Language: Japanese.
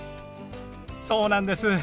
そうなんです。